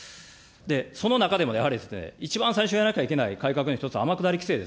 その中でもやはり、一番最初にやらなきゃいけない改革の１つは、天下り規制です。